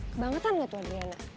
kebangetan gak tuh adriana